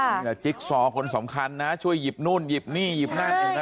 นี่แหละจิ๊กซอคนสำคัญนะช่วยหยิบนู่นหยิบนี่หยิบนั่นอีกนะ